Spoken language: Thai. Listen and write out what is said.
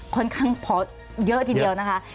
ค่อนข้างพอเยอะทีเดียวนะคะ